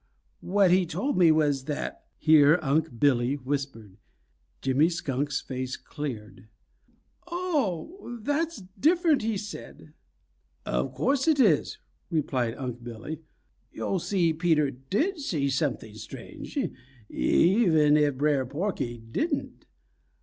What he told me was that " Here Unc' Billy whispered. Jimmy Skunk's face cleared. "That's different," said he. "Of course it is," replied Unc' Billy. "Yo' see Peter did see something strange, even if Brer Porky didn't.